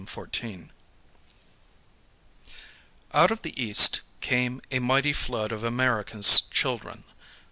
Kem County OUT OF THE EAST came a mighty flood of America's children.